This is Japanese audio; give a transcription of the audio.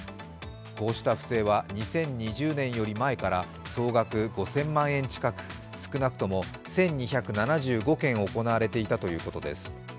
こうした不正は２０２０年より前から総額５０００万円近く少なくとも１２７５件行われていたということです。